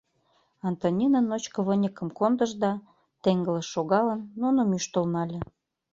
Антонина ночко выньыкым кондыш да, теҥгылыш шогалын, нуным ӱштыл нале.